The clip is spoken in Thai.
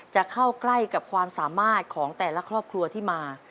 จะเข้าใกล้กับความสามารถของแต่ละครอบครัวที่มา